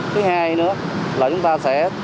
thứ hai nữa là chúng ta sẽ